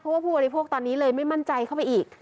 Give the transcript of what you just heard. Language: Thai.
เพราะว่าผู้บริโภคตอนนี้เลยไม่มั่นใจเข้าไปอีก